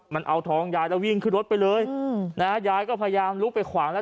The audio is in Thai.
มันเอาทองยายแล้ววิ่งขึ้นรถไปเลยอืมนะฮะยายก็พยายามลุกไปขวางแล้ว